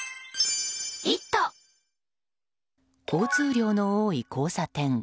交通量の多い交差点。